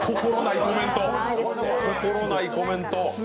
心ないコメント。